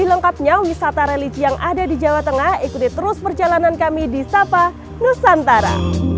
jadi lengkapnya wisata religi yang ada di jawa tengah ikuti terus perjalanan kami di sapa nusantara